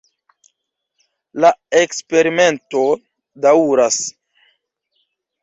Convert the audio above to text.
La eksperimento daŭras.